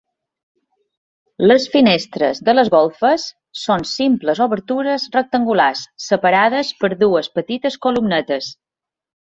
Les finestres de les golfes són simples obertures rectangulars separades per dues petites columnetes.